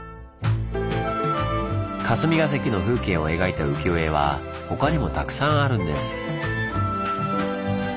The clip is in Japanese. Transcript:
霞が関の風景を描いた浮世絵は他にもたくさんあるんです。